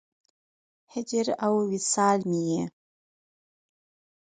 هجر او وصال مې یې